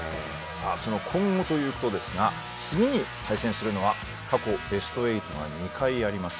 その今後ということですが次に対戦するのは過去ベスト８が２回あります